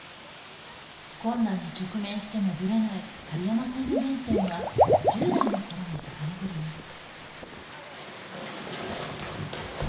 困難に直面してもブレない針山さんの原点は１０代の頃にさかのぼります